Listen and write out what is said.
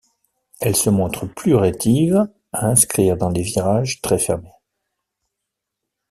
Elle se montre plus rétive à inscrire dans les virages très fermés.